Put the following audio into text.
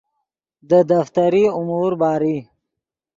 دے دفتری امور باری